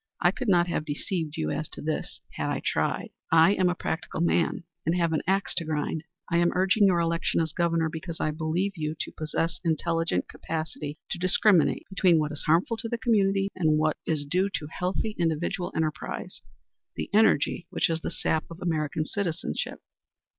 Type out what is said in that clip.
I could not have deceived you as to this had I tried. I am a practical man, and have an axe to grind. I am urging your election as Governor because I believe you to possess intelligent capacity to discriminate between what is harmful to the community and what is due to healthy, individual enterprise the energy which is the sap of American citizenship.